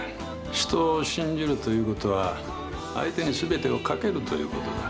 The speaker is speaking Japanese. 人を信じるということは相手に全てをかけるということだ。